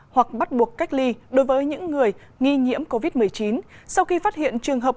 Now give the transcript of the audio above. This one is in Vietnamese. hoặc bắt buộc cách ly đối với những người nghi nhiễm covid một mươi chín sau khi phát hiện trường hợp